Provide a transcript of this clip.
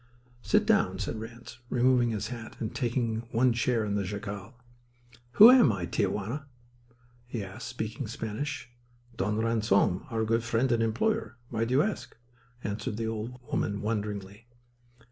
"Sit down," said Ranse, removing his hat and taking the one chair in the jacal. "Who am I, Tia Juana?" he asked, speaking Spanish. "Don Ransom, our good friend and employer. Why do you ask?" answered the old woman wonderingly.